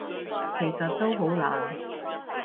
其實都好難